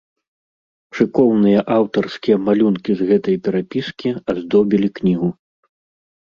Шыкоўныя аўтарскія малюнкі з гэтай перапіскі аздобілі кнігу.